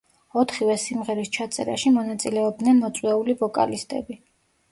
ოთხივე სიმღერის ჩაწერაში მონაწილეობდნენ მოწვეული ვოკალისტები.